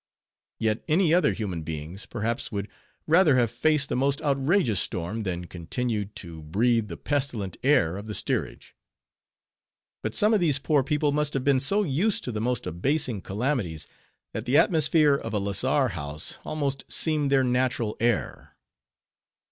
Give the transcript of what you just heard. Yet any other human beings, perhaps, would rather have faced the most outrageous storm, than continued to breathe the pestilent air of the steerage. But some of these poor people must have been so used to the most abasing calamities, that the atmosphere of a lazar house almost seemed their natural air.